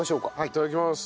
いただきます。